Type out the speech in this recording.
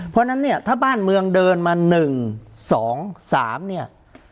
เพราะฉะนั้นถ้าบ้านเมืองเดินมา๑๒๓